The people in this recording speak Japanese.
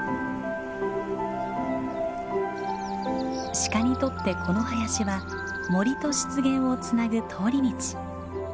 シカにとってこの林は森と湿原をつなぐ通り道。